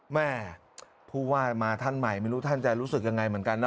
แม่ผู้ว่ามาท่านใหม่ไม่รู้ท่านจะรู้สึกยังไงเหมือนกันนะ